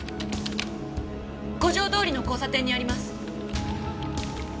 五条通の交差点にあります。